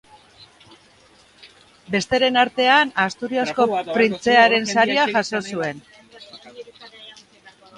Besteren artean, Asturiasko Printzearen Saria jaso zuen.